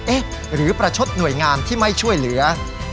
เอ๊ะหรือประชดหน่วยงานที่ไม่ช่วยเหลือ